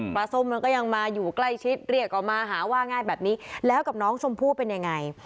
ส้มมันก็ยังมาอยู่ใกล้ชิดเรียกออกมาหาว่าง่ายแบบนี้แล้วกับน้องชมพู่เป็นยังไง